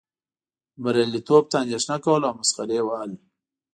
بریالیتوب ته اندیښنه کول او مسخرې وهل.